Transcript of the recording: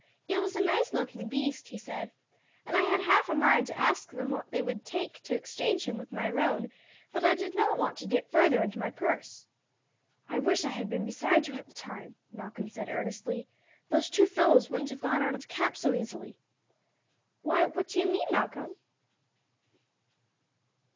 "It was a nice looking beast," he said, "and I had half a mind to ask them what they would take to exchange him with my roan, but I did not want to dip further into my purse." "I wish I had been beside you at the time," Malcolm said earnestly; "those two fellows wouldn't have gone out of the camp so easily." "Why, what do you mean, Malcolm?"